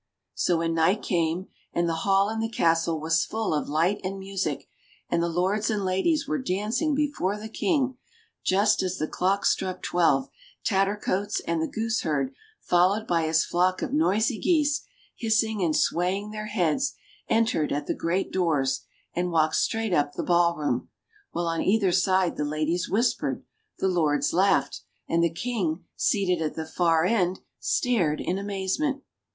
So when night came, and the hall in the castle was full of light and music, and the lords and ladies were dancing before the King, just as the clock struck twelve, Tattercoats and the gooseherd, followed by his flock of noisy geese, hissing and swaying their heads, entered at the great doors, and walked straight up the ball room, while on either side the ladies whispered, the lords laughed, and the King seated at the far end stared in amazement.